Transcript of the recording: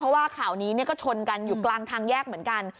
เพราะว่าข่าวนี้ก็ชนกันอยู่กลางทางแยกเหมือนกัน